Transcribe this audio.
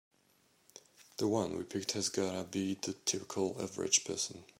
The one we pick has gotta be the typical average person.